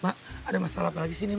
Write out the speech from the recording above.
mak ada masalah lagi sini mak